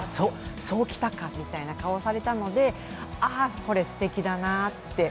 そうきたか、みたいな顔をされたので、これステキだなって。